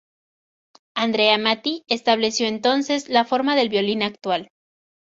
Andrea Amati estableció entonces la forma del violín actual.